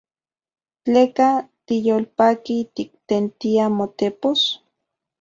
¿Tleka tiyolpaki tiktentia motepos?